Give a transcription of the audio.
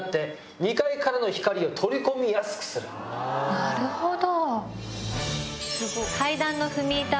なるほど！